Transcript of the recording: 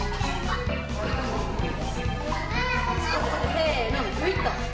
せのグッと。